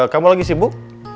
kamu lagi sibuk